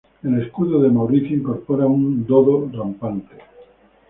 El escudo de Mauricio incorpora un dodo rampante.